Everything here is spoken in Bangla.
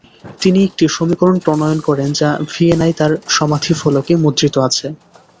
তিনি একটি সমীকরণ প্রণয়ন করেন যা ভিয়েনায় তার সমাধিফলকে মুদ্রিত আছে।